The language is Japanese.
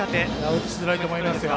打ちづらいと思います。